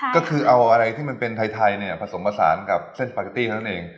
ก็คือเอาอะไรที่มันเป็นไทยเนี่ยผสมผสานกับเส้นปาเกตตี้เท่านั้นเอง